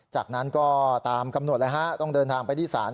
จากนั้นก็ตามกำหนดเลยฮะต้องเดินทางไปที่ศาล